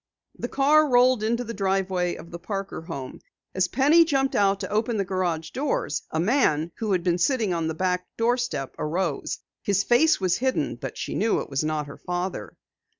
The car rolled into the driveway of the Parker home. As Penny jumped out to open the garage doors, a man, who had been sitting on the back doorstep, arose. His face was hidden, but she knew it was not her father.